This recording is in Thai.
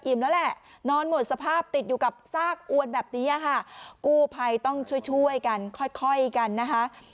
แล้วแหละนอนหมดสภาพติดอยู่กับซากอวนแบบนี้ค่ะกู้ภัยต้องช่วยช่วยกันค่อยค่อยกันนะคะ